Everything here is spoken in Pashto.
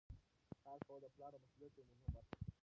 کار کول د پلار د مسؤلیت یوه مهمه برخه ده.